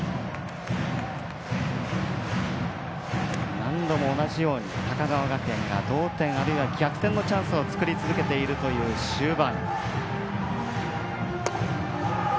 何度も同じように高川学園が同点、あるいは逆転のチャンスを作り続けている終盤。